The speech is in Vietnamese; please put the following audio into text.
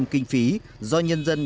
một trăm linh kinh phí do nhân dân